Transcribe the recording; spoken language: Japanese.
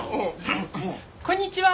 「こんにちは。